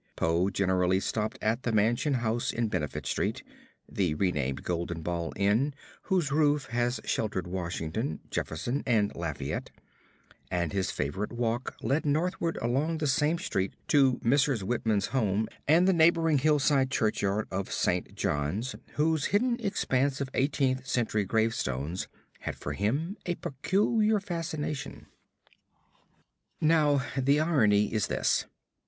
Poe generally stopped at the Mansion House in Benefit Street the renamed Golden Ball Inn whose roof has sheltered Washington, Jefferson, and Lafayette and his favorite walk led northward along the same street to Mrs. Whitman's home and the neighboring hillside churchyard of St. John's, whose hidden expanse of Eighteenth Century gravestones had for him a peculiar fascination. Now the irony is this.